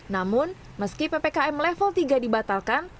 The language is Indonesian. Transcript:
namun meski ppkm level tiga dibatalkan